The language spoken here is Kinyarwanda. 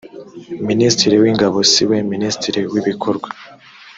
minisitiri w ‘ingabo siwe minisitiri w ‘ibikorwa .